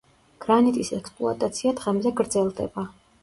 გრანიტის ექსპლუატაცია დღემდე გრძელდება.